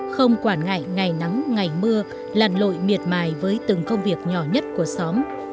không quản ngại ngày nắng ngày mưa lằn lội miệt mài với từng công việc nhỏ nhất của xóm